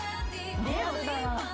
リアルだな。